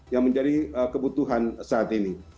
yang menjadi kebutuhan saat ini